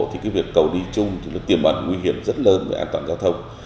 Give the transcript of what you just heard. thì việc cầu đi chung thì tiềm ẩn nguy hiểm rất lớn về an toàn giao thông